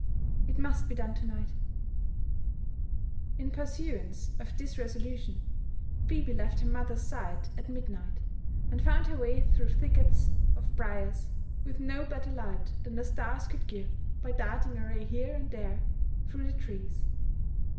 — It must be done to night" In pursuance of this resolution, Phebe left her mother's side at mid night, and found her way through thickets of briars; with no better light than the stars could give by darting a ray here and there through the trees.